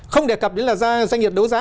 không đề cập đến là doanh nghiệp đấu giá